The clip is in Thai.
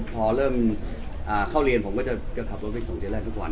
พอเข้าเรียนผมก็จะขับไปส่งเดี๋ยวแรกทุกวัน